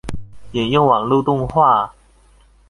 引用網路動畫